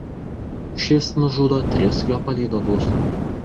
Šis nužudo tris jo palydovus.